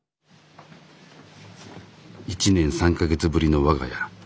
１年３か月ぶりの我が家。